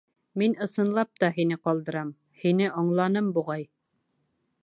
Мин, ысынлап та, һине ҡалдырам: һине аңланым, буғай.